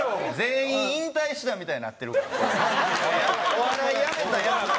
お笑いやめたヤツ。